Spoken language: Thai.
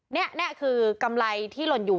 นี่คือกำไรที่หล่นอยู่